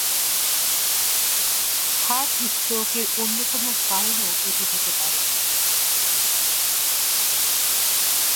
Heart stroke এর অন্যতম কারণও এটি হতে পারে।